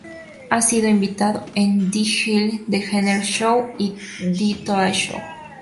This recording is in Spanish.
Ha sido invitado en "The Ellen DeGeneres Show" y "The Today Show".